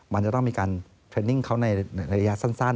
มันจะต้องมีการเทรนนิ่งเขาในระยะสั้น